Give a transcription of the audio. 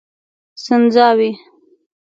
سنځاوي